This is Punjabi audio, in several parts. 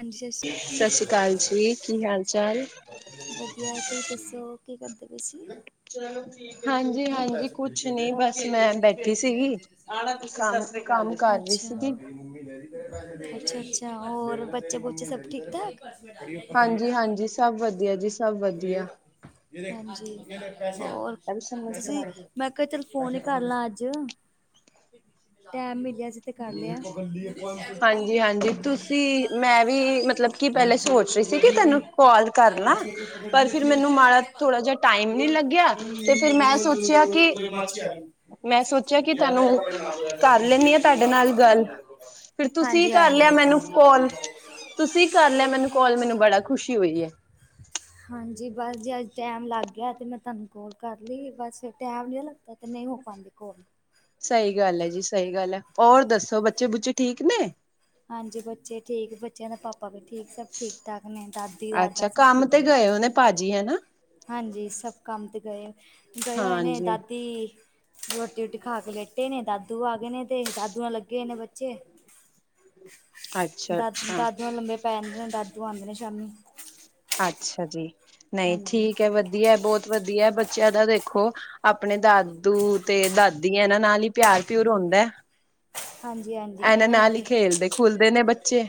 ਹਾਂਜੀ, ਸ਼ਸ਼ਰੀ ਸਤਿ ਸ੍ਰੀ ਕਾਲ ਅਕਾਲ ਜੀ, ਕੀ ਹਾਲ ਚਾਲ ਵਧੀਆਂ। ਵਧੀਆਂ ਤੁਸੀਂ ਦੱਸੋ? ਕੀ ਕਰਦੇ ਪਾਏ ਸੀ। ਹਾਂਜੀ ਉਹ ਹਾਂਜੀ। ਪੈਸੇ ਫਿਰ ਕੁਛ ਗਿਰ ਨੀ, ਗਏ। ਬਸ ਮੈਂ ਬੈਠੀ ਸੀਗੀ। ਕੰਮ-ਕੰਮ ਕਰ ਰਹੀ ਸੀਗੀ। ਅੱਛਾ-ਅੱਛਾ। ਹੋਰ ਬੱਚੇ ਉਚੇ ਸਭ ਠੀਕ-ਠਾਕ। ਹਾਂਜੀ ਹਾਂਜੀ ਸਭ ਵਧੀਆ ਜੀ। ਸਭ ਵਧੀਆ ਹਾਂਜੀ, ਹੋਰ ਤੁਸੀਂ ਮੈਂ। ਕੇ ਤੈਨੂੰ ਫੋਨ ਹੀ ਕਰਲਾ ਅੱਜ, ਟੈਮ ਮਿਲਿਆ ਸੀ। ਤੇ ਕਰ ਲਿਆ ਅੱਜ। ਹਾਂਜੀ ਹਾਂਜੀ ਤੁਸੀਂ ਮੈਂ ਵੀ ਮਤਲਬ ਕਿ ਪਹਿਲੇ ਸੋਚ ਰਹੀ ਸੀ ਕਿ ਤੈਨੂੰ ਕਾਲ ਕਰ ਲਾਂ [unintelligible] [unintelligible] ਪਰ ਫਿਰ ਮੈਨੂੰ ਮਾੜਾ ਥੋੜਾ ਜਿਹਾ ਟਾਈਮ ਨੀ ਲੱਗਿਆ ਤੇ ਫਿਰ ਮੈਂ ਸੋਚਿਆ ਕਿ [unintelligible] ਮੈਂ ਸੋਚਿਆ ਕਿ ਤੁਹਾਨੂੰ ਕਰ ਲੈਂਦੀ ਆ ਤੁਹਾਡੇ ਨਾਲ [unintelligible] ਗੱਲ ਫਿਰ ਤੁਸੀਂ ਹਾਂਜੀ- ਕਰ ਹਾਂਜੀ। ਲਿਆ ਮੈਨੂੰ ਕਾਲ ਤੁਸੀਂ ਕਰ ਲਿਆ ਮੈਨੂੰ ਕੋਲ ਮੈਨੂੰ ਬੜਾ ਖੁਸ਼ੀ ਹੋਈ ਏ। ਹਾਂਜੀ, ਬਸ ਜੇ ਅੱਜ ਟੈਮ ਲੱਗ ਗਿਆ ਤੇ ਮੈਂ ਤੁਹਾਨੂੰ ਕੋਲ ਕਰ ਲਈ ਏ ਵੈਸੇ। ਟਾਈਮ ਨਹੀਂ ਲੱਗਦਾ, ਤੇ ਨਹੀਂ ਹੋ ਪਾਂਦੀ ਕਾਲ। ਸਹੀ ਗੱਲ ਏ ਜੀ। ਸਹੀ ਗੱਲ ਏ, ਹੋਰ ਦੱਸੋ ਬੱਚੇ -ਬੁੱਚੇ ਠੀਕ ਨੇ। ਹਾਂਜੀ, ਬੱਚੇ ਠੀਕ, ਬੱਚਿਆਂ ਦਾ ਪਾਪਾ ਵੀ ਠੀਕ। ਸਭ ਠੀਕ-ਠਾਕ ਨੇ ਦਾਦੀ-ਦਾਦਾ ਅੱਛਾ ਸਭ ਕੰਮ ਠੀਕ ਤੇ ਨੇ। ਗਏ ਹੋ ਭਾਜੀ ਹੈ ਨਾ। ਹਾਂਜੀ, ਸਭ ਕੰਮ ਤੇ ਗਏ, ਗਏ ਹੋਏ ਨੇੇ ਹਾਂਜੀ ਦਾਦੀ ਰੂਟੀ- ਰੋਟੀ ਖਾ ਕੇ ਲੇਟੇ ਨੇ। ਦਾਦੂ ਆ ਗਏ ਨੇ ਤੇ ਦਾਦੂ ਨਾਲ ਲੱਗੇ ਹੋਏ ਨੇ ਬੱਚੇ। ਅੱਛਾ ਅੱਛਾ ਦਾਦੀਆਂ ਲੰਬੇ ਪੈ ਜਾਂਦੇ ਨੇ ਦਾਦੂ ਆਦੇ ਨੇ ਸ਼ਾਮੀ। ਅੱਛਾ ਜੀ। ਨਹੀਂ ਹਾਂਜੀ ਠੀਕ ਏ। ਵਧੀਆ ਬਹੁਤ ਵਧੀਆ ਬੱਚਿਆਂ ਦਾ ਦੇਖੋ, ਆਪਣੇ ਦਾਦੂ ਤੇ ਦਾਦੀਆ ਦੇ ਨਾਲ ਹੀ ਪਿਆਰ ਪਿਊਰ ਹੁੰਦਾ। ਹਾਂਜੀ ਹਾਂਜੀ ਇਹਨਾਂ ਨਾਲ ਹੀ ਤੇ ਖੇਲਦੇ- ਖੂਲਦੇ ਨੇ ਬੱਚੇ।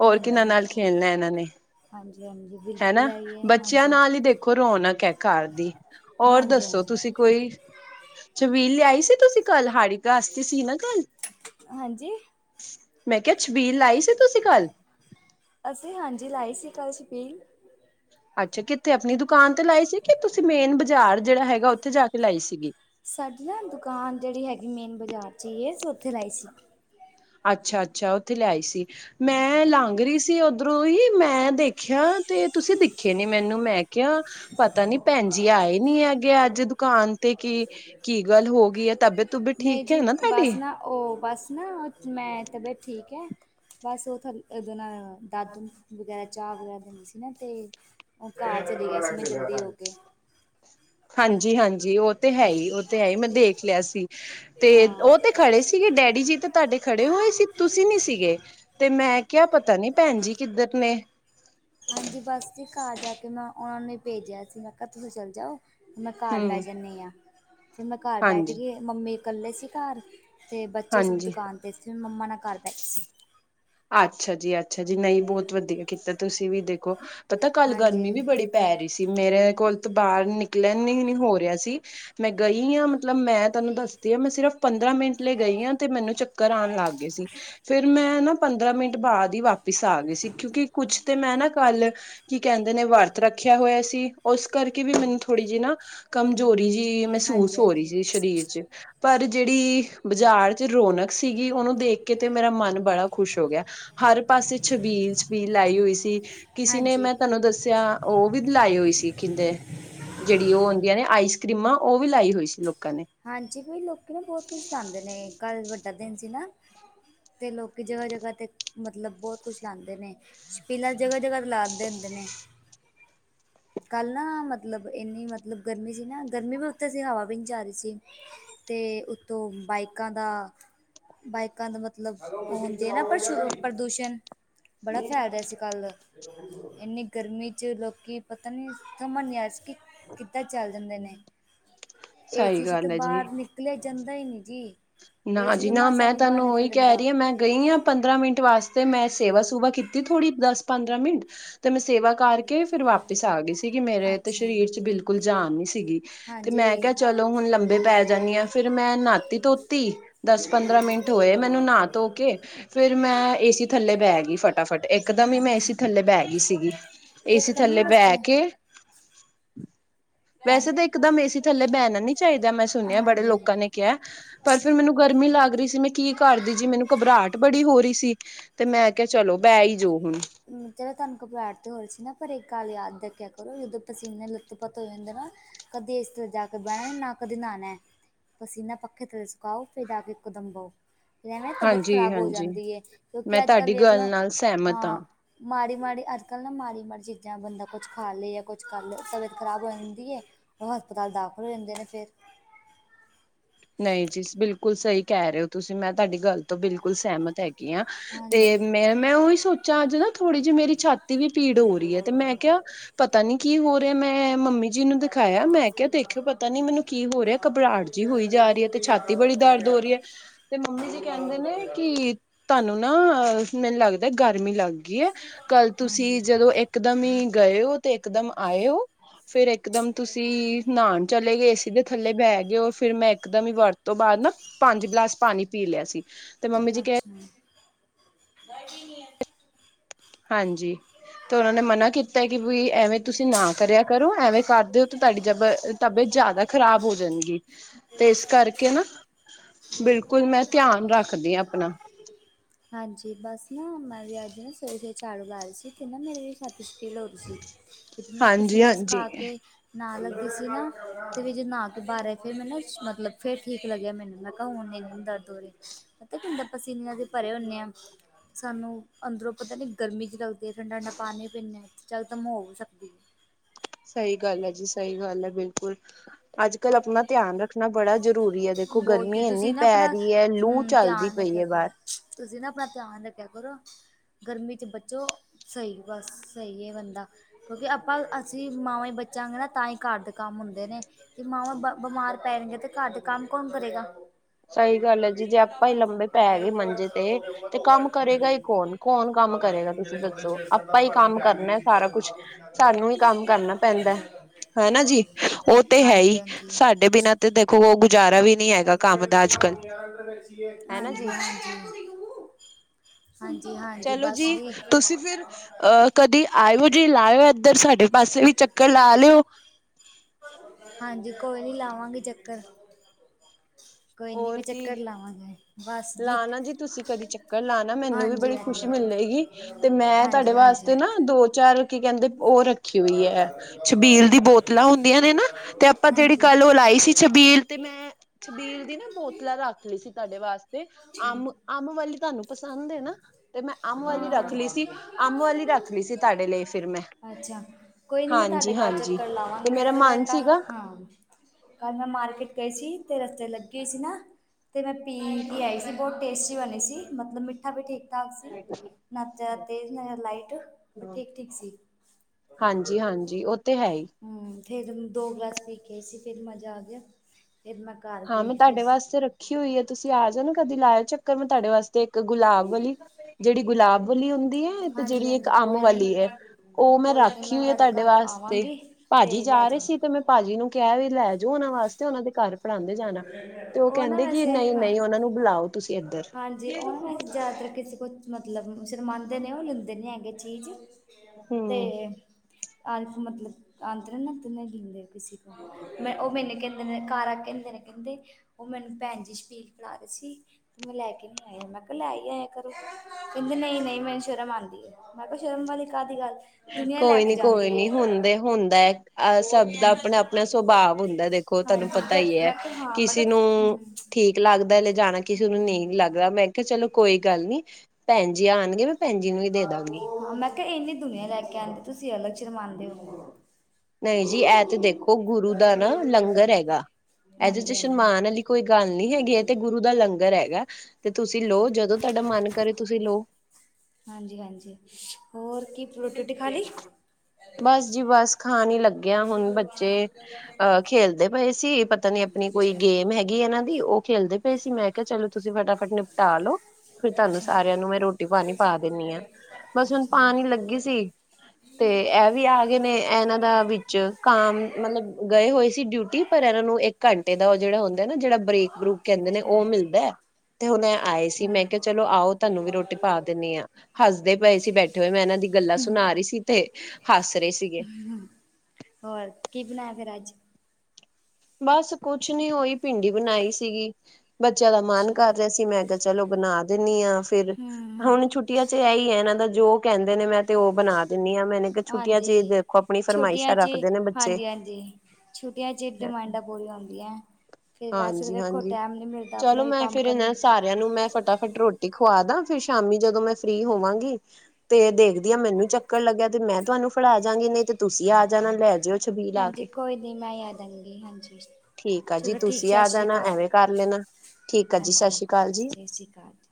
ਹੋਰ ਕਿਹਨਾਂ ਹਾਂਜੀ ਨਾਲ ਖੇਲਣਾ ਇਹਨਾਂ ਨੇ। ਹਾਂਜੀ ਹਾਂਜੀ ਬਿਲਕੁਲ ਹੈਨਾ, ਆਈ ਹੈ ਬੱਚਿਆਂ ਹਾਂਜੀ ਨਾਲ ਹੀ ਦੇਖੋ ਰੌਣਕ ਹੈ ਘਰ ਦੀ ਹੋਰ ਹਾਂਜੀ ਦੱਸੋ ਹਾਂਜੀ ਤੁਸੀਂ? ਕੋਈ ਸ਼ਬੀਲ ਲਿਆਈ ਸੀ ਤੁਸੀਂ ਕੱਲ੍ਹ ਹਾੜੀ ਕਾਸਤੀ ਸੀ ਨਾ ਕੱਲ੍ਹ। ਹਾਂਜੀ। ਮੈਂ ਕਿਹਾ ਛਬੀਲ ਲਾਈ ਸੀ ਤੁਸੀਂ ਕੱਲ੍ਹ। ਅਸੀਂ ਹਾਂਜੀ ਲਾਈ ਸੀ ਕੱਲ੍ਹ ਛਬੀਲ। ਅੱਛਾ ਕਿੱਥੇ ਆਪਣੀ ਦੁਕਾਨ ਤੇ ਲਾਈ ਸੀ ਕਿ ਤੁਸੀਂ ਮੇਨ ਬਾਜ਼ਾਰ ਜਿਹੜਾ ਹੈਗਾ ਉੱਥੇ ਜਾ ਕੇ ਲਾਈ ਸੀਗੀ। ਸਾਡੀ ਨਾ ਦੁਕਾਨ ਜਿਹੜੀ ਹੈਗੀ ਮੇਨ ਬਾਜ਼ਾਰ 'ਚ' ਹੀ ਇਹ ਅਸੀਂ ਉੱਥੇ ਲਾਈ ਸੀ‌। ਅੱਛਾ -ਅੱਛਾ ਉੱਥੇ ਲਾਈ ਸੀ ਮੈਂ ਲਾਂਘ ਰਹੀ ਸੀ ਉੱਧਰੋਂ ਹੀ ਮੈਂ ਦੇਖ ਦੇਖਿਆ ਤੇ ਤੁਸੀਂ ਦਿਖੇ ਨੀ ਮੈਨੂੰ ਮੈਂ ਕਿਹਾ। ਪਤਾ ਨੀ ਭੈਣ ਜੀ ਆਏ ਨੀ ਹੈ ਅੱਗੇ ਅੱਜ ਦੁਕਾਨ ਤੇ ਕੀ ਕੀ ਗੱਲ ਹੋ ਗਈ ਐ ਤਬੀਅਤ -ਤੂੰਬੀਅਤ ਨਹੀਂ ਜੀ ਬਸ ਨਾ। ਉਹ ਬਸ ਨਾ, ਮੈਂ ਤਬੀਅਤ ਠੀਕ ਹੈ ਬਸ ਉਹਥੋ ਓਦੋਂ ਨਾ ਦਾਦੂ ਨੂੰ ਵਗੈਰਾ ਚਾਹ ਵਗੈਰਾ ਦਿੰਦੀ ਸੀ ਨਾ ਤੇ ਉਹ ਘਰ ਚਲੇ ਗਏ ਸੀ ਮੈਂ। ਜਲਦੀ ਹੋ ਕੇ। ਹਾਂਜੀ -ਹਾਂਜੀ ਉਹ ਤੇ ਹੈ -ਹੀ ਉਹ ਤੇ ਹੈ ਹੀ ਮੈਂ ਦੇਖ ਲਿਆ ਸੀ ਤੇ ਹਾਂ ਉਹ ਤੇ ਖੜੇ ਸੀਗੇ ਡੈਡੀ ਜੀ। ਤੇ ਤੁਹਾਡੇ ਖੜੇ ਹੋਏ ਸੀ ਤੁਸੀਂ ਨੀ ਸੀਗੇ ਤੇ ਮੈਂ ਕਿਹਾ ਪਤਾ ਨੀ ਭੈਣ ਜੀ ਕਿੱਧਰ ਨੇ। ਬਸ ਘਰ ਜਾ ਕੇ ਮੈਂ ਉਹਨਾਂ ਨੂੰ ਹੀ ਭੇਜਿਆ ਸੀ। ਮੈਂ ਕਿਹਾ ਤੁਸੀਂ ਚੱਲ ਜਾਓ। ਮੈਂ ਘਰ ਬੈ ਹੂੰ ਜਾਂਣੀ ਆ, ਤੇ ਮੈਂ ਘਰ ਬੈਠ ਗਈ। ਮੰਮੀ ਇਕੱਲੇ ਸੀ ਘਰ। ਤੇ ਬੱਚੇ ਸੀ ਹਾਂਜੀ-ਹਾਂਜੀ ਦੁਕਾਨ ਤੇ ਸੀ ਮੰਮਾ ਨਾਲ ਘਰ ਬੈਹ ਗਈ ਸੀ। ਅੱਛਾ ਜੀ- ਅੱਛਾ ਜੀ ਨਹੀਂ ਬਹੁਤ ਵਧੀਆ ਕੀਤਾ ਤੁਸੀਂ ਵੀ ਦੇਖੋ ਪਤਾ ਕੱਲ ਹਾਂਜੀ ਗਰਮੀ ਵੀ ਬੜੀ। ਪੈ ਰਹੀ ਸੀ ਮੇਰੇ ਕੋਲ ਤਾਂ ਬਾਹਰ ਨਿਕਲਣ ਹੀ ਨੀ ਹੋ ਰਿਹਾ ਸੀ। ਮੈਂ ਗਈ ਹਾਂ ਮਤਲਬ ਮੈਂ ਤੁਹਾਨੂੰ ਦੱਸਦੀ ਹਾਂ। ਮੈਂ ਸਿਰਫ਼ ਪੰਦਰਾਂ ਮਿੰਟ ਲਈ ਗਈ। ਮੈਨੂੰ ਚੱਕਰ ਆਉਣ ਲੱਗ ਲਾਗੇ ਸੀ ਫਿਰ ਮੈਂ ਨਾ ਪੰਦਰਾਂ ਮਿੰਟ ਬਾਅਦ ਹੀ ਵਾਕ ਵਾਪਿਸ ਆ ਗਏ ਸੀ ਕਿਉਂਕਿ ਕੁੱਛ ਤੇ ਮੈਂ ਨਾ ਕੱਲ। ਕੀ ਕਹਿੰਦੇ ਨੇ ਵਰਤ ਰੱਖਿਆ ਹੋਇਆ ਸੀ ਉਸ ਕਰਕੇ ਵੀ ਮੈਨੂੰ ਥੋੜ੍ਹੀ ਜਿਹੀ ਨ ਕਮਜ਼ੋਰੀ ਜੀ ਹਾਂਜੀ ਮਹਿਸੂਸ ਹੋ ਰਹੀ ਹਾਂਜੀ ਸੀ ਸਰੀਰ 'ਚ'। ਪਰ ਜਿਹੜੀ, ਬਾਜ਼ਾਰ ਚ ਰੌਣਕ ਸੀਗੀ। ਉਹਨੂੰ ਦੇਖ ਕੇ ਤੇ ਮੇਰਾ ਮਨ ਬੜਾ। ਖੁਸ਼ ਹੋ ਗਿਆ ਹਰ ਪਾਸੇ ਛਬੀਲ -ਛਬੀਲ ਲਾਈ ਹੋਈ ਸੀ। ਕਿਸੇ ਨੇ ਹਾਂਜੀ ਮੈਂ ਤੁਹਾਨੂੰ ਦੱਸਿਆ। ਉਹ ਵੀ ਲਾਈ ਹੋਈ ਸੀ ਕਿਹਦੇ। ਜਿਹੜੀ ਉਹ ਹੁੰਦੀਆਂ ਨੇ ਆਈਸ ਕਰ੍ਰੀਮਾਂ ਉਹ ਵੀ ਲਾਈ ਹੋਈ ਸੀ ਲੋਕਾਂ ਨੇ। ਹਾਂਜੀ ਬਾਈ ਲੋਕੀ ਨਾ ਬਹੁਤ ਕੁਛ ਲਾਦੇ ਨੇ ਕੱਲ੍ਹ ਵੱਡਾ ਦਿਨ ਸੀ ਨਾ। ਤੇ ਲੋਕੀ 'ਤੇ' ਜਗ੍ਹਾ- ਜਗ੍ਹਾ ਮਤਲਬ ਬਹੁਤ ਕੁਛ ਲਾਦੇ ਨੇ। ਛਪੀਲਾ ਜਗ੍ਹਾ -ਜਗ੍ਹਾ ਲਾਦੇ ਹੁੰਦੇ ਨੇ। ਕੱਲ੍ਹ ਨਾ ਮਤਲਬ ਇੰਨੀ ਮਤਲਬ ਗਰਮੀ ਸੀ ਨਾ ਗਰਮੀ ਵੀ ਉੱਥੇ ਸੀ ਹਵਾ ਵੀ ਨਹੀਂ ਜਾ ਰਹੀ ਸੀ। ਤੇ ਉੱਤੋਂ ਬਾਈਕਾਂ ਦਾ ਬਾਈਕਾਂ ਦਾ ਮਤ। ਲਗਵਾਉਂਦੇ ਨਾ ਪ੍ਰਸ਼ ਪ੍ਰਦੂਸ਼ਣ। ਬੜਾ ਫਾਇਦਾ ਅੱਜ- ਕੱਲ੍ਹ ਇੰਨੀ ਗਰਮੀ 'ਚ ਲੋਕੀ। ਪਤਾ ਨੀ ਮਨਿਆਜ ਕਿ ਕਿੱਧਾਂ ਚਲ ਜਾਂਦੇ ਨੇ। ਸਹੀ ਏਸੀ 'ਚ' ਤਾਂ ਗੱਲ ਹੈ ਜੀ। ਬਾਹਰ ਨਿਕਲਿਆ ਜਾਂਦਾ ਨੀ ਜੀ। ਨਾ ਏਸੀ ਜੀ ਚੋਂ ਨਾ ਮਾਸਾ ਮੈਂ ਨੀ ਬਾਹਰ ਤੁਹਾਨੂੰ ਨਿਕਲ ਉਹੀ ਕਹਿ ਜਾਂਦਾ ਰਹੀ ਹਾਂ ਮੈਂ ਗਈ ਹਾਂ। ਪੰਦਰਾਂ ਮਿੰਟ ਵਾਸਤੇ ਮੈਂ ਸੇਵਾ- ਸੂਵਾ ਕੀਤੀ ਥੋੜ੍ਹੀ ਦਸ ਪੰਦਰਾਂ ਮਿੰਟ। ਤੇ ਮੈਂ ਸੇਵਾ ਕਰਕੇ ਫਿਰ ਵਾਪਿਸ ਆ ਗਈ ਸੀਗੀ ਮੇਰੇ ਤੇ ਅੱਛਾ ਸਰੀਰ 'ਚ' ਬਿਲਕੁਲ ਜਾਨ ਨੀ ਸੀਗੀ। ਤੇ ਮੈਂ ਹਾਂਜੀ। ਕਿਹਾ ਚਲੋ ਹੁਣ ਲੰਬੇ ਪੈ ਜਾਂਦੀ ਹਾਂ ਫਿਰ ਮੈਂ ਨਾਤੀ -ਧੋਤੀ ਧੋਤੀ ਦਸ ਪੰਦਰਾਂ ਮਿੰਟ ਹੋਏ ਮੈਨੂੰ ਨਾ ਧੋ ਕੇ ਫਿਰ ਮੈਂ ਏਸੀ ਥੱਲੇ ਬਹਿ ਗਈ ਫਟਾ-ਫਟ। ਇਕਦਮ ਹੀ ਮੈਂ ਏਸੀ ਅੱਛਾ ਥੱਲੇ ਬਹਿ ਗਈ ਸੀਗੀ ਏਸੀ ਥੱਲੇ ਬਹਿ ਕੇ। ਅੱਛਾ। ਵੈਸੇ ਤਾਂ ਇੱਕਦਮ ਏਸੀ ਥੱਲੇ ਬਹਿਣਾ ਨੀ ਚਾਹੀਦਾ ਮੈਂ ਸੁਣਿਆ ਬੜੇ ਹਾਂਜੀ ਲੋਕਾਂ ਨੇ ਹਾਂਜੀ ਕਿਹਾ। ਪਰ ਫਿਰ ਮੈਨੂੰ ਗਰਮੀ ਲੱਗ ਰਹੀ ਸੀ ਮੈਂ ਕੀ? ਘਰਦੀ ਜੀ ਮੈਨੂੰ ਘਬਰਾਹਟ ਬੜੀ ਹੋ ਰਹੀ ਸੀ ਤੇ ਮੈਂ ਕਿਹਾ ਚਲੋ ਬਹਿ ਹੀ ਜੋ ਹੁਣ। ਚਲੋ ਤੁਹਾਨੂੰ ਘਬਰਾਹਟ ਤਾਂ ਹੋ ਰਹੀ ਸੀ ਨਾ ਪਰ ਇੱਕ ਗੱਲ ਯਾਦ ਰੱਖਿਆ ਕਰੋ ਜਦੋਂ ਪਸੀਨੇ ਨਾਲ ਲੱਤ-ਪੱਤ ਹੋਏ ਹੁੰਦੇ ਨਾ। ਕਦੇ ਇਸ ਤੇ ਜਾ ਕੇ ਬਹਿਣ ਨਾ ਕਦੇ ਨਾਹਣਾ। ਪਸੀਨਾ ਪੱਖੇ ਥੱਲੇ ਸੁਕਾਓ ਫਿਰ ਜਾ ਕੇ ਇਕੋ ਦਮ ਬਹੋ ਫਿਰ ਐਵੇਂ ਤਬੀਅਤ ਹਾਂਜੀ ਖ਼ਰਾਬ ਹੋ ਹਾਂਜੀ ਜਾਂਦੀ ਹੈ। ਕਿਉਂਕਿ ਮੈਂ ਅੱਜ ਕੱਲ੍ਹ ਤੁਹਾਡੀ ਦੇੇਖ ਲਓ, ਗੱਲ ਨਾਲ ਸਹਿਮਤ ਹਾਂ। ਮਾੜੀ- ਮਾੜੀ ਅੱਜ, ਕੱਲ੍ਹ ਨਾ ਮਾੜੀ- ਮਾੜੀ ਚੀਜ਼ਾਂ ਬੰਦਾ ਕੁਛ ਖਾ ਲੇ ਜਾਂ ਕੁਛ ਕਰ ਲੈ ਤਬੀਅਤ ਖਰਾਬ ਹੋ ਜਾਂਦੀ ਆ। ਉਹ ਹਸਪਤਾਲ ਦਾਖ਼ਲ ਹੋ ਜਾਂਦੇ ਨੇ ਫਿਰ ਨਹੀਂ ਜੀ, ਬਿਲਕੁਲ ਸਹੀ ਕਹਿ ਰਹੇ ਹੋ ਤੁਸੀਂ ਮੈਂ ਤੁਹਾਡੀ ਗੱਲ ਤੋਂ ਬਿਲਕੁਲ ਸਹਿਮਤ ਹੈਗੀ ਆ। ਤੇ ਹਾਂਜੀ ਮੈਂ- ਮੈਂ ਉਹੀ ਸੋਚਿਆ ਅੱਜ ਨਾ ਥੋੜ੍ਹੀ ਜਿਹੀ ਮੇਰੀ ਛਾਤੀ ਵੀ ਪੀੜ ਹੋ ਰਹੀ ਹੈ ਤੇ ਮੈਂ ਕਿਹਾ। ਪਤਾ ਨੀ ਕੀ ਹੋ ਰਿਹਾ ਮੈਂ ਮੰਮੀ ਜੀ ਨੂੰ ਦਿਖਾਇਆ ਮੈਂ ਕਿਹਾ ਹਾਂਜੀ ਦੇਖਿਓ ਪਤਾ ਨੀ ਮੈਨੂੰ ਕੀ ਹੋ ਰਿਹਾ ਘਬਰਾਟ ਜੀ ਹੋਈ? ਜਾ ਰਹੀ ਹੈ ਤੇ ਛਾਤੀ ਬੜੀ ਦਰਦ ਹੋ ਰਹੀ ਹੈ ਤੇ ਮੰਮੀ ਜੀ ਕਹਿੰਦੇ ਨੇ ਕਿ ਤੁਹਾਨੂੰ ਨਾ ਅਹ ਮੈਨੂੰ ਲੱਗਦਾ ਗਰਮੀ ਲੱਗ ਗਈ ਹੈ ਕੱਲ ਤੁਸੀਂ ਜਦੋਂ ਇੱਕਦਮ ਹੀ ਗਏ ਹੋ ਤੇ ਇਕ ਦਮ ਆਏ ਹੋ ਫੇਰ ਇੱਕ ਦਮ ਤੁਸੀਂ ਨਹਾਉਣ ਚਲੇ ਗਏ ਸੀਗੇ। ਥੱਲੇ ਬਹਿ ਗਏ ਉਹ ਫਿਰ ਮੈਂ ਇੱਕਦਮ ਹੀ ਵਰਤ ਤੋਂ ਬਾਅਦ ਨਾ ਪੰਜ ਗਲਾਸ ਪਾਣੀ ਪੀ ਲਿਆ ਸੀ। ਤੇ ਮੰਮੀ ਜੀ ਕਹਿ ਅੱਛਾ। ਹਾਂਜੀ, ਤੇ ਉਹਨਾਂ ਨੇ ਮਨਾ ਕੀਤਾ? ਕਿ ਵੀ ਐਵੇਂ ਤੁਸੀਂ ਨਾ ਕਰਿਆ ਕਰੋ ਐਵੇਂ ਕਰਦੇ ਹੋ ਤਾਂ ਤੁਹਾਡੀ ਜਬ ਤਬੀਅਤ ਜ਼ਿਆਦਾ ਖਰਾਬ ਹੋ ਜਾਏਗੀ। ਤੇ ਇਸ ਕਰਕੇ ਨਾ। ਬਿਲਕੁਲ ਮੈਂ ਚ ਧਿਆਨ ਰੱਖਦੀ ਹਾਂ [unintelligible] ਆਪਣਾ ਆਮ ਹਾਂਜੀ ਬਸ ਹੁਣ ਮੈਂ ਨਾ ਜਦੋਂ ਅੱਜ ਸਵੇਰੇ- ਸਵੇਰੇ ਝਾੜੂ ਲਾ ਰਹੀ ਸੀ ਤੇ ਨਾ ਮੇਰੇ ਛਾਤੀ 'ਚ' ਪੀੜ ਹੋ ਰਹੀ ਸੀ। ਜਿਹਨਾ ਹਾਂਜੀ ਪਸੀਨਾ ਸੁੱਕਾ ਹਾਂਜੀ ਕੇ। ਨਾ ਲੱਗੀ ਸੀ ਨਾ ਤੇ ਵੀ ਜੇ ਨਾ ਕੇ ਬਾਹਰ ਅੱਗੇ ਮਤਲਬ ਫੇਰ ਠੀਕ ਲੱਗਿਆ ਮੈਨੂੰ। ਹੁਣ ਨੀ ਦਿੰਦਾ ਤੋਰੇ ਪਤਾ ਕਿੱਦਾਂ ਪਸੀਨੇ ਨਾਲ ਅਸੀਂ ਭਰੇ ਹੁੰਦੇ ਆ। ਸਾਨੂੰ ਅੰਦਰੋਂ ਪਤਾ ਨੀ ਗਰਮੀ ਜੀ ਲੱਗਦੀ ਠੰਡਾ- ਠੰਡਾ ਪਾਣੀ ਪੀਣੇ ਆ ਚਕਦਮ ਹੋ ਵੀ ਸਕਦੀ ਆ। ਸਹੀ ਗੱਲ ਹੈ, ਜੀ ਸਹੀ ਗੱਲ ਹੈ ਬਿਲਕੁੱਲ। ਅੱਜ- ਕੱਲ੍ਹ ਆਪਣਾ ਧਿਆਨ ਰੱਖਣਾ ਬੜਾ ਜ਼ਰੂਰੀ ਏ ਦੇਖੋ ਬਹੁਤ ਜੀ ਗਰਮੀ ਇੰਨੀ ਤੁਸੀਂ ਨਾ ਪੈ ਆਪਣਾ ਰਹੀ ਏ ਲੂ ਹਮ ਚੱਲਦੀ ਧਿਆਨ ਪਈ ਰੱਖਿਆ ਏ ਕਰੋ ਬਾਹਰ। ਤੁਸੀਂ ਨਾ ਆਪਣਾ ਧਿਆਨ ਰੱਖਿਆ ਕਰੋ। ਗਰਮੀ 'ਚ' ਬੱਚੋ ਸਹੀ ਬਸ ਸਹੀ ਏ ਬੰਦਾ, ਕਿਉਂਕਿ ਆਪਾਂ ਅਸੀਂ ਮਾਵਾਂ ਬਚਾਂ ਗੇ ਤਾਂ ਹੀ ਘਰ ਦੇ ਕੰਮ ਹੁੰਦੇ ਨੇ ਜੇ ਮਾਵਾਂ ਬ- ਬਿਮਾਰ ਪੈ ਗੀਆ ਤੇ ਘਰ ਦੇ ਕੰਮ ਕੌਣ ਕਰੇਗਾ? ਪਤਾ ਨੀ ਸਹੀ ਆਪਣੇ ਗੱਲ ਹੈ, ਆਪ ਜੀ ਜੇ ਆਪਾਂ ਹੀ ਲੰਬੇ ਪੈ ਮੇਰੇ ਗਏ ਉੱਪਰ ਮੰਜੇ ਰੱਖਾ ਤੇ ਧੋ ਕੇ ਮੈਂ ਤੇ ਧੋ ਕੇ ਕੰਮ ਰੱਖਾ ਉਹਨੇ ਕਰੇਗਾ ਹੀ ਲਈ ਕੌਣ? ਕੌਣ ਕੰਮ ਪਤਾ ਨੀ ਕਰੇਗਾ ਕਿਉਂ ਤੁਸੀਂ ਮੇਰੇ ਕੱਪੜੇ ਦੱਸੋ ਛੇੜ ਕਰ ਆਪਾਂ ਬਸ ਹੀ ਮੈਂ ਕੰਮ ਸਮਝਾਇਆ ਮੇਰੀ ਕਰਨਾ ਚੀਜ਼ੋਂ ਸਾਰਾ ਤੇ ਨਾ ਕੁਛ ਰੋਕਿਆ ਕਰੋ ਸਾਨੂੰ ਹੀ ਕੰਮ ਕਰਨਾ ਪੈਂਦਾ। ਹਨਾ ਜੀ, ਉਹ ਤੇ ਹਾਂਜੀ ਹੈਈ ਹਾਂਜੀ ਸਾਡੇ ਬਿਨਾਂ ਤੇ ਦੇਖੋ ਉਹ ਗੁਜ਼ਾਰਾ ਵੀ ਨਹੀਂ ਹੈਗਾ। ਕੰਮ ਦਾ ਅੱਜ ਕੱਲ ਹਨਾ ਹਾਂਜੀ ਜੀ -ਹਾਜੀ। ਹਾਂਜੀ- ਹਾਂ ਚਲੋ ਜੀ ਤੁਸੀਂ ਫਿਰ ਅਹ ਕਦੀ ਆਇਓ ਜੇ ਲਾਇਓ ਏਧਰ ਸਾਡੇ ਪਾਸੇ ਵੀ ਚੱਕਰ ਲਾ ਲਿਓ? ਹਾਂਜੀ, ਕੋਈ ਨੀ ਲਾਵਾਂਗੇ ਚੱਕਰ ਕੋਈ ਨੀ ਹੋਰ ਮੈਂ ਕੀ ਚੱਕਰ ਲਾਵਾਂਗੇ ਬਸ ਲਾ ਨਾ ਜੀ ਤੁਸੀਂ ਕਦੀ ਚੱਕਰ ਲਾ ਨਾ ਮੈਨੂੰ ਵੀ ਹਾਂਜੀ ਬੜੀ ਖੁਸ਼ੀ ਹਾਂਜੀ ਮਿਲੇਗੀ। ਤੇ ਮੈਂ ਤੁਹਾਡੇ ਵਾਸਤੇ ਹਾਂਜੀ ਨਾ ਦੋ-ਚਾਰ ਕੀ ਕਹਿੰਦੇ ਉਹ ਰੱਖ ਰੱਖੀ ਹੋਈ ਹੈ, ਛਬੀਲ ਦੀ ਬੋਤਲਾਂ ਹੁੰਦੀਆਂ ਨੇ ਨਾ ਤੇ ਆਪਾਂ ਜਿਹੜੀ ਹਾਂਜੀ ਕੱਲ੍ਹ ਉਹ ਲਾਈ ਸੀ ਛਬੀਲ ਤੇ ਮੈਂ ਛਬੀਲ ਦੀ ਨਾ ਬੋਤਲਾਂ ਰੱਖ ਲਈ ਸੀ ਤੁਹਾਡੇ ਵਾਸਤੇ ਹਾਂਜੀ ਅੰਮ- ਅੰਬ ਵਾਲੀ। ਤੁਹਾਨੂੰ ਪਸੰਦ ਏ ਨਾ ਤੇ ਮੈਂ ਅੰਬ ਵਾਲੀ ਰੱਖ ਹਾਂ ਲਈ ਸੀ- ਅੰਬ ਵਾਲੀ ਰੱਖ ਲਈ ਸੀ ਤੁਹਾਡੇ ਲਈ ਫਿਰ ਮੈਂ। ਅੱਛਾ ਕੋਈ ਨਹੀਂ ਮੈਂ ਤੁਹਾਡੇ ਹਾਂਜੀ ਘਰ ਹਾਂਜੀ ਚੱਕਰ ਲਾਵਾਂਗੀ ਤੇ ਮੈਂ ਮੇਰਾ ਤਾਂ ਮੈਂ ਮਨ ਕੱਲ੍ਹ ਸੀਗਾ ਹਾਂ। ਕੱਲ੍ਹ ਮੈਂ ਮਾਰਕੀਟ ਗਈ ਸੀ ਤੇ ਰਸਤੇ 'ਚ'ਲੱਗੀ ਸੀ ਨਾ। ਅਤੇ ਮੈਂ ਪੀਂ ਕੇ ਆਈ ਸੀ ਬਹੁਤ ਟੇਸਟੀ ਵਾਲੇ ਸੀ ਮਤਲਬ ਮਿੱ ਮਿੱਠਾ ਵੀ ਠੀਕ- ਠਾਕ ਸੀ ਨਾ ਜਿਆਦਾ ਤੇਜ਼ ਨਾ ਲਾਈਟ ਠੀਕ -ਠੀਕ ਸੀ। ਹਾਂਜੀ -ਹਾਂਜੀ ਉਹ ਤੇ ਹੈ ਹੀ। ਹੂੰ ਫਿਰ ਦੋ ਗਲਾਸ ਪੀਕੇ ਆਈ ਸੀ ਫਿਰ ਮਜ਼ਾ ਆ ਗਿਆ ਫਿਰ ਮੈਂ ਘਰ ਹਾਂ ਗਈ ਮੈਂ ਫਿਰ ਤੁਹਾਡੇ ਵਾਸਤੇ ਰੱਖ ਰੱਖੀ ਹੋਈ ਹੈ ਤੁਸੀਂ ਆ ਜਾਓ ਨਾ ਕਦੀ ਲਾਇਓ ਚੱਕਰ ਮੈਂ ਤੁਹਾਡੇ ਵਾਸਤੇ ਇੱਕ ਗੁਲਾਬ ਵਾਲੀ ਜਿਹੜੀ ਗੁਲਾਬ ਵਾਲੀ ਹੁੰਦੀ ਹੈ ਤੇ ਹਾਂਜੀ ਜਿਹੜੀ ਇੱਕ ਹਾਂਜੀ ਅੰਬ ਕੋਈ ਨਹੀਂ ਵਾਲੀ ਐ ਉਹ ਮੈਂ ਕੋਈ ਨਹੀਂ ਰੱਖੀ ਹੋਈ ਹੈ ਤੁਹਾਡੇ ਘਰ ਵਾਸਤੇ। ਆਵਾਂਗੀ ਅਤੇ ਭਾਜੀ ਲੈ ਜਾ ਰਹੇ ਸੀ ਤੇ ਜਾਵਾਂ ਮੈਂ ਭਾਜੀ ਨੂੰ ਕਿਹਾ ਵੀ ਲੈ ਜੋ ਉਹਨਾਂ ਵਾਸਤੇ ਉਹਨਾਂ ਦੇ ਘਰ ਫੜਾਂਦੇ ਜਾਣਾ ਤੇ ਉਹ ਨਾ ਕਹਿੰਦੇ ਕਿ ਵੈਸੇ ਨਹੀਂ- ਹਾਂ ਨਹੀਂ ਉਹਨਾ ਨੂੰ ਬੁਲਾਓ ਤੁਸੀਂ ਏਧਰ। ਹਾਂਜੀ ਉਹਨਾਂ ਨਾਲ ਜ਼ਿਆਦਾਤਰ ਕਿਸੇ ਤੋ ਮਤਲਬ ਸ਼ਰਮਾਂਦੇ ਨੇ ਉਹ ਲੈਂਦੇ ਨਹੀਂ ਹੈਗੇ ਚੀਜ਼ ਹਮ ਤੇ [unintelligible] ਕਹਿੰਦੇ ਉਹ ਮੈਨੂੰ ਭੈਣ ਜੀ ਛਬੀਲ ਫੜਾ ਰਹੀ ਸੀ ਮੈਂ ਲੈ ਕੇ ਨੀ ਆਇਆ ਮੈਂ ਕਿਹਾ ਲੈ ਹੀ ਆਇਆ ਕਰੋ ਕਹਿੰਦੇ ਨਹੀਂ -ਨਹੀਂ ਮੈਨੂੰ ਸ਼ਰਮ ਆਉਂਦੀ ਹੈ, ਮੈਂ ਕਿਹਾ ਸ਼ਰਮ ਵਾਲੀ ਕਾਹ ਦੀ ਗੱਲ। ਦੁਨੀਆਂ ਲੈ ਕੋਈ ਕੇ ਨੀ ਕੋਈ ਜਾਂਦੀ ਏ ਨੀ ਹੁੰਦੇ- ਹੁੰਦਾ ਅਹ ਸਭ ਦਾ ਆਪਣਾ ਆਪਣਾ ਸੁਭਾਵ ਹੁੰਦਾ ਦੇਖੋ ਉਹ ਤੁਹਾਨੂੰ ਪਤਾ ਹਾਂਜੀ ਈ ਐ। ਮੈਂ ਹਾਂ ਮੈਂ ਕਿਹਾ ਹਮ। ਲੱਗਦਾ ਲੇ ਜਾਣਾ ਕਿਸੇ ਨੂੰ ਨਹੀਂ ਲੱਗਦਾ ਮੈਂ ਕਿਹਾ ਚਲੋ ਕੋਈ ਗੱਲ ਨੀ ਭੈਣ ਜੀ ਆਂਣਗੇ ਮੈਂ ਭੈਣ ਜੀ ਨੂੰ ਹੀ ਦੇ ਦਾਂਗੀ ਕਾਕੋ, ਮੈਂ ਕਿਹਾ ਇੰਨੀ ਦੁਨੀਆਂ ਲੈ ਕੇ ਆਂਦੀ ਤੁਸੀਂ ਐਨਾ ਸ਼ਰਮਾਉਂਦੇ ਹੋ। ਨਹੀਂ ਜੀ ਇਹ ਤੇ ਦੇਖੋ ਗੁਰੂ ਦਾ ਨਾ ਲੰਗਰ ਹੈਗਾ ਇਹਦੇ ਚ ਹਾਂਜੀ ਹਾਂਜੀ ਸ਼ਰਮਾਨ ਕੋਈ ਗੱਲ ਨਹੀ ਹੈਗੀ ਹੈ ਇਹ ਤੇ ਗੁਰੂ ਦਾ ਲੰਗਰ ਹੈਗਾ। ਤੇ ਤੁਸੀਂ ਲਓ ਜਦੋਂ ਤੁਹਾਡਾ ਮਨ ਕਰੇ ਤੁਸੀਂ ਲਓ। ਹਾਂਜੀ ਹਾਂਜੀ ਹੋਰ ਕੀ ਰੋਟੀ - ਰੂਟੀ ਖਾ ਲਈ। ਬਸ ਜੀ ਬਸ ਖਾਣ ਹੀ ਲੱਗੇਆ ਹੁਣ ਬੱਚੇ ਖੇ਼ਲਦੇ ਪਏ ਸੀ। ਪਤਾ ਨੀ ਆਪਣੀ ਕੋਈ ਅੱਛਾ ਗੇਮ ਹੈਗੀਆਂ ਇਹਨਾਂ ਦੀ ਉਹ ਖੇਲਦੇ ਪਏ ਸੀ ਮੈਂ ਕਿਹਾ ਚਲੋ ਤੁਸੀਂ ਫਟਾਫਟ ਨਿਪਟਾ ਲੋੋ। ਫਿਰ ਤੁਹਾਨੂੰ ਅੱਛਾ ਸਾਰਿਆਂ ਨੂੰ ਮੈਂ ਰੋਟੀ ਪਾਣੀ ਪਾ ਦਿੰਨੀ ਹਾਂ ਬਸ ਹੁਣ ਅੱਛਾ ਪਾਣ ਲੱਗੀ ਸੀ। ਤੇ ਇਹ ਵੀ ਆ ਗਏ ਨੇ ਇਹਨਾਂ ਦਾ ਵਿੱਚ ਕਾਮ ਮਤਲਬ ਗਏ ਹੋਏ ਸੀ ਡਿਊਟੀ ਪਰ ਇਹਨਾਂ ਨੂੰ ਇੱਕ ਘੰਟੇ ਦਾ ਉਹ ਜਿਹੜਾ ਹੁੰਦਾ ਨਾ ਜਿਹੜਾ ਬਰੇਕ - ਬਰੂਕ ਕਹਿੰਦੇ ਨੇ ਉਹ ਅੱਛਾ ਮਿਲਦਾ। ਤੇ ਹੁਣੇ ਆਏ ਸੀ ਮੈਂ ਕਿਹਾ ਚਲੋ ਆਓ ਤੁਹਾਨੂੰ ਵੀ ਰੋਟੀ ਪਾ ਦਿੰਨੀ ਆ। ਹੱਸਦੇ ਪਏ ਸੀ ਅੱਛਾ ਬੈਠੇ ਹੋਏ ਮੈਂ ਇਹਨਾਂ ਦੀ ਗੱਲਾਂ ਸੁਣਾ ਰਹੀ ਸੀ ਤੇ ਹੱਸ ਰਹੇ ਸੀਗੇ। ਹੂੰ ਹੋਰ ਕੀ ਬਣਾਇਆ ਫਿਰ ਅੱਜ। ਬਸ ਕੁਛ ਨੀ ਉਹੀ ਭਿੰਡੀ ਬਣਾਈ ਸੀਗੀ। ਬੱਚਿਆਂ ਦਾ ਮਨ ਅੱਛਾ ਕਰ ਰਿਹਾ ਸੀ ਮੈਂ ਕਿਹਾ ਚਲੋ ਬਣਾ ਦਿੰਨੀ ਆ ਫਿਰ ਹਮ ਹੁਣ ਛੁੱਟੀ ਆ ਚ ਇਹ ਹੀ ਹੈ ਇਹਨਾਂ ਦਾ ਜੋ ਕਹਿੰਦੇ ਨੇ ਮੈਂ ਤੇ ਉਹ ਬਣਾ ਦਿੰਦੀ ਆ ਮੈਨੇ ਕਿ ਛੁੱਟੀਆਂ ਹਾਂਜੀ ਚੀਜ਼ ਦੇਖੋ ਆਪਣੀ ਛੁੱਟੀਆਂ ਫਰਮਾਇਸ਼ਾਂ 'ਚ ਰੱਖਦੇ ਨੇ ਬੱਚੇ। ਹਾਂਜੀ ਹਾਂਜੀ। ਛੁੱਟੀਆਂ ਚ ਡਿਮਾਂਡਾਂ ਪੂਰੀਆਂ ਹੁੰਦੀਆਂ। ਫਿਰ ਵੈਸੇ ਤਾਂ ਹਾਂਜੀ ਵੇਖੋ ਹਾਂਜੀ ਟਾਇਮ ਨੀ ਮਿਲਦਾ ਆਪਣੇ ਵੀ ਕੰਮ ਕਰਨ ਦਾ ਇਹਨੂੰ ਮੈਂ ਫਟਾਫਟ ਰੋਟੀ ਖਵਾਦਾ ਫਿਰ ਸ਼ਾਮੀ ਜਦੋਂ ਮੈਂ ਫ੍ਰਰੀ ਹੋਵਾਂਗੀ ਤੇ ਦੇਖਦੀ ਆ ਮੈਨੂੰ ਚੱਕਰ ਲੱਗਿਆ ਤੇ ਮੈਂ ਤੁਹਾਨੂੰ ਫੜਾ ਜਾਗੀ ਨਹੀਂ ਤੇ ਤੁਸੀਂ ਆ ਜਾਣਾ ਲੈ ਜਿਓ। ਛਬੀਲ ਆ ਹਾਂਜੀ ਕੇ ਕੋਈ ਨਹੀਂ ਮੈਂ ਆ ਦਾਂਗੀ ਹਾਂਜੀ। ਠੀਕ ਆ ਜੀ ਚਲੋ ਠੀਕ ਤੁਸੀਂ ਸਤਿ ਆ ਸ਼੍ਰੀ ਜਾਣਾ ਅਕਾਲ। ਐਵੇਂ ਕਰ ਲੈਣਾ ਠੀਕ ਆ ਜੀ ਸਤਿ ਹਾਂਜੀ ਸ਼੍ਰੀ ਅਕਾਲ ਜੀ। ਸਤਿ ਸ਼੍ਰੀ ਅਕਾਲ ਜੀ।